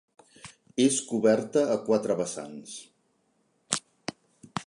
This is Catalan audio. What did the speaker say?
És coberta a quatre vessants.